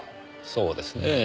そうですねぇ。